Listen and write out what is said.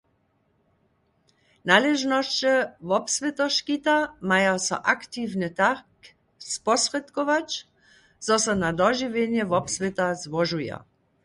Naležnosće wobswětoškita maja so aktiwnje tak sposrědkować, zo so na dožiwjenje wobswěta złožuja.